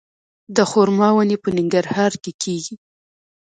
د خرما ونې په ننګرهار کې کیږي؟